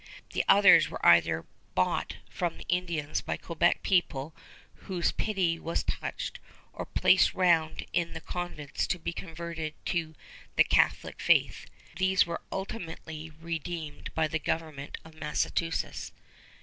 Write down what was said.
The others were either bought from the Indians by Quebec people, whose pity was touched, or placed round in the convents to be converted to the Catholic faith. These were ultimately redeemed by the government of Massachusetts.